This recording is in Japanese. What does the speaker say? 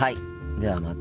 ではまた。